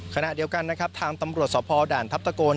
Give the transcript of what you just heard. ขณะเดียวกันนะครับทางตำรวจสภด่านทัพตะโกน